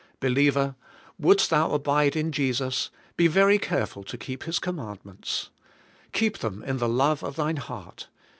Believer ! wouldest thou abide in Jesus, be very care ful to keep His commandments. Keep them in the love of thine heart.